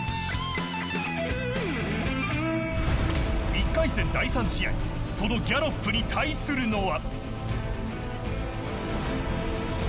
１回戦第３試合そのギャロップに対するのは。